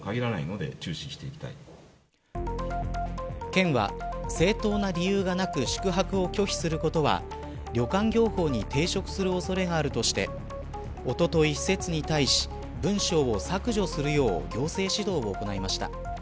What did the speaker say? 県は、正当な理由がなく宿泊を拒否することは旅館業法に抵触する恐れがあるとしておととい、施設に対し文章を削除をするよう行政指導を行いました。